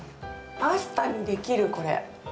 パスタにできる、これ！